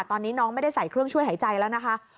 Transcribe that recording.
ตอนนี้น้องไม่ได้ใส่เครื่องช่วยหายใจแล้วนะคะ